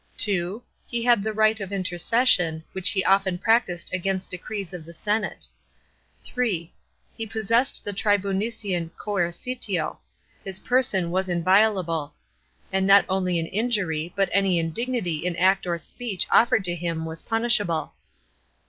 (2) He had the right ot intercession,— which he often practised against decrees of the Senate. (3) He possessed the tribunician coercitio. His person was inviolable; and not only an injury, but any indignity in act or speech offered to him was punishable.